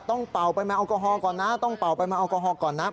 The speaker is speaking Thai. เป่าไปมาแอลกอฮอลก่อนนะต้องเป่าไปมาแอลกอฮอลก่อนนะ